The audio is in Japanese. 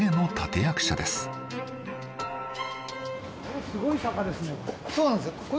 すごい坂ですねこれ。